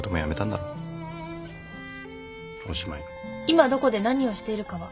今どこで何をしているかは。